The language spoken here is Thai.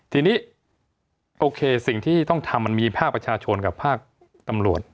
ทีนี้โอเคสิ่งที่ต้องทำมันมีภาคประชาชนกับภาคตำรวจ